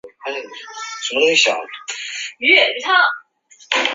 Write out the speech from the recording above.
是日本漫画家濑尾公治创作的恋爱漫画作品。